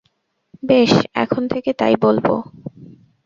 বেশ, এখন থেকে তাই বলব!